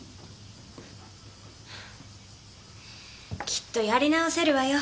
きっとやり直せるわよ。